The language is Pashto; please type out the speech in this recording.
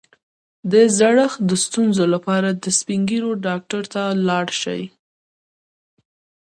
د زړښت د ستونزو لپاره د سپین ږیرو ډاکټر ته لاړ شئ